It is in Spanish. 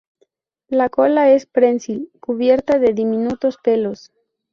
La cola es prensil, cubierta de diminutos pelos.